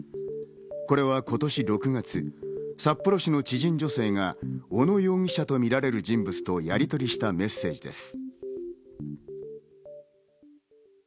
これは今年６月、札幌市の知人女性が小野容疑者とみられる人物とやりとりしたメッセージです。